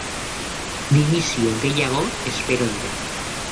Dimisio gehiago espero dira.